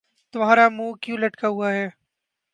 تمہارا منہ کیوں لٹکا ہوا ہے